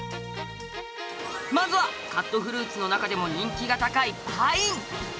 まずはカットフルーツの中でも人気が高いパイン。